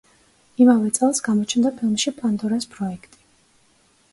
იმავე წელს გამოჩნდა ფილმში „პანდორას პროექტი“.